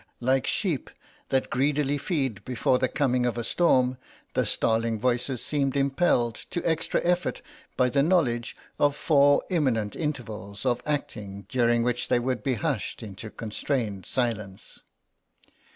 Like sheep that feed greedily before the coming of a storm the starling voices seemed impelled to extra effort by the knowledge of four imminent intervals of acting during which they would be hushed into constrained silence.